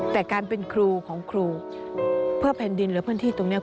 แต่การเป็นครูของครูเพื่อแผ่นดินและพื้นที่ตรงนี้